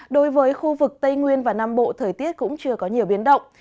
đối với khu vực tây nguyên và nam bộ thời tiết cũng chưa có nhiều biến động